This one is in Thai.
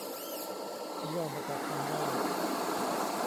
ย่อมาจากคำว่า